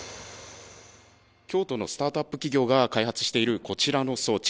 京都のスタートアップ企業が開発しているこちらの装置。